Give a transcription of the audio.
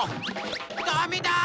ダメだ！